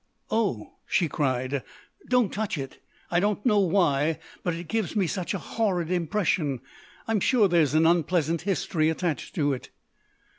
"Oh!" she cried, "don't touch it! I don't know why but it gives me such a horrid impression. I'm sure there is an unpleasant history attached to it."